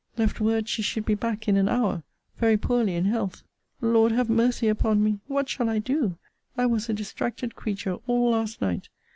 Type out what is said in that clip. Left word she should be back in an hour! Very poorly in health! Lord, have mercy upon me! What shall I do! I was a distracted creature all last night!